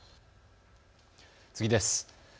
次です。